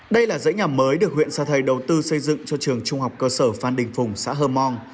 đây là dãy nhà mới được huyện sa thầy đầu tư xây dựng cho trường trung học cơ sở phan đình phùng xã hơ mong